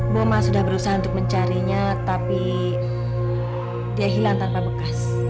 boma sudah berusaha untuk mencarinya tapi dia hilang tanpa bekas